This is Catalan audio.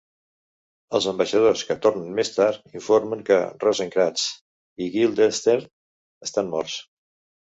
Els ambaixadors que tornen més tard informen que "Rosencrantz i Guildenstern estan morts.